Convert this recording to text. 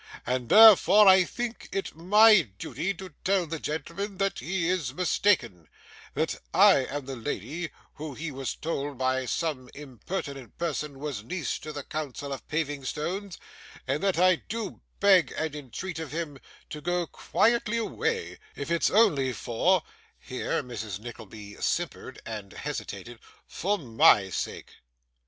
And therefore I think it my duty to tell that gentleman that he is mistaken, that I am the lady who he was told by some impertinent person was niece to the Council of Paving stones, and that I do beg and entreat of him to go quietly away, if it's only for,' here Mrs. Nickleby simpered and hesitated, 'for MY sake.